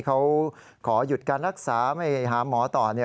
เขาขอหยุดการรักษาไม่หาหมอต่อ